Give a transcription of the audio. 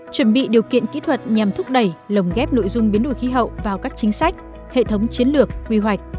chuẩn bị điều kiện kỹ thuật nhằm thúc đẩy lồng ghép nội dung biến đổi khí hậu vào các chính sách hệ thống chiến lược quy hoạch